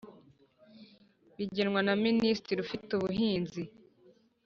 bigenwa na Minisitiri ufite ubuhinzi